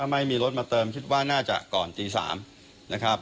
ไม่มีรถมาเติมนะครับ